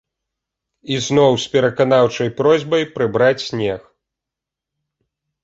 І зноў з пераканаўчай просьбай прыбраць снег.